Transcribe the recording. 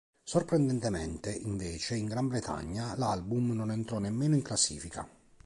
Sorprendentemente invece, in Gran Bretagna l'album non entrò nemmeno in classifica.